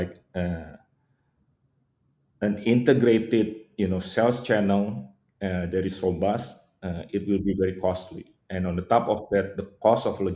kami mengkategorisasi sma dalam lima bucket yang berbeda yang pertama adalah